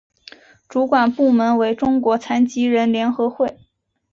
主管部门为中国残疾人联合会。